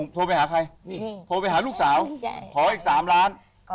โทรไปหาใครโทรไปหาลูกสาวขออีก๓ล้าน